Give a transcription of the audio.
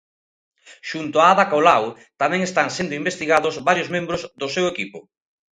Xunto a Ada Colau, tamén están sendo investigados varios membros do seu equipo.